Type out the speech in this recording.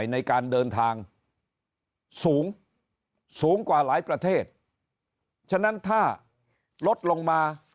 ในการเดินทางสูงสูงกว่าหลายประเทศฉะนั้นถ้าลดลงมา